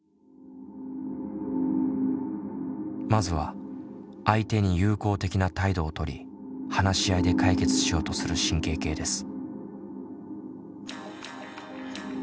まずは相手に友好的な態度をとり話し合いで解決しようとする神経系です。